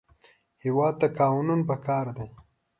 هېواد ته قانون پکار دی